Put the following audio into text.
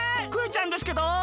クヨちゃんですけど！